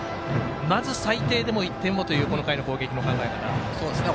まず最低でも１点というこの回の攻撃の考え方。